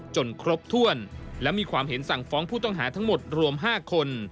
ครบถ้วนและมีความเห็นสั่งฟ้องผู้ต้องหาทั้งหมดรวม๕คน